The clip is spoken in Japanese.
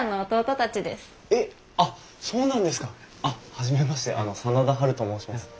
初めまして真田ハルと申します。